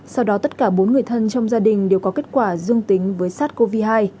sau đó tất cả bốn người thân trong gia đình đều có kết quả dương tính với sars cov hai